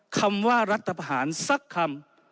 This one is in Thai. คำว่ารัฐบาลสักคำ